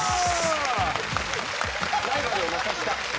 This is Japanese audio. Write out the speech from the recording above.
ライバルを負かした。